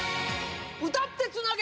歌ってつなげ！